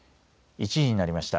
１時になりました。